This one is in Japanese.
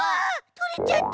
とれちゃった。